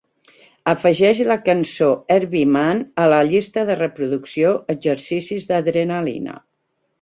Afegeix la cançó Herbie Mann a la llista de reproducció Exercicis d'adrenalina.